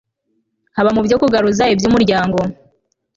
haba mu byo kugaruza iby'umuryango